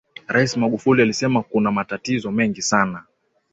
raisi magufuli alisema kuna matatizo mengi sana